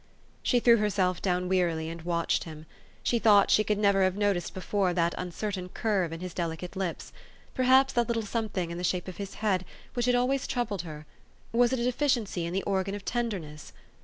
She threw herself down wearily, and watched him. She thought she could never have noticed before that uncertain curve in his delicate lips ; perhaps that little something in the shape of his head, which had always troubled her was it a deficiency in the organ of tenderness?